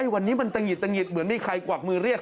วันนี้มันตะหิดตะหิดเหมือนมีใครกวักมือเรียก